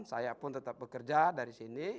saya pun tetap bekerja dari sini